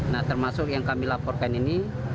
nah termasuk yang kami laporkan ini